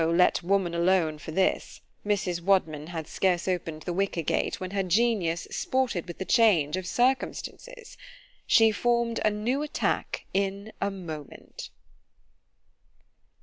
let woman alone for this. Mrs. Wadman had scarce open'd the wicker gate, when her genius sported with the change of circumstances. ——She formed a new attack in a moment.